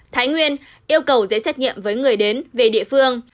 thái nguyên yêu cầu dễ xét nghiệm với người đến về địa phương